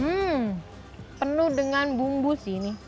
hmm penuh dengan bumbu sih ini